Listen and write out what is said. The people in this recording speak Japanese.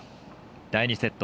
第２セット